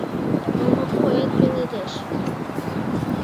Олмапуэт пеледеш.